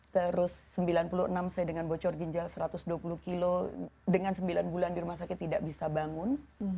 terus sembilan puluh enam saya dengan bocor ginjal satu ratus dua puluh kilo dengan sembilan bulan di rumah sakit tidak bisa bangun